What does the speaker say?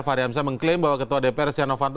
fahri hamzah mengklaim bahwa ketua dpr setia novanto